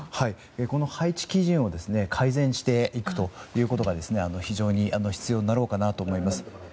この配置基準を改善していくということが非常に必要になろうかなと思います。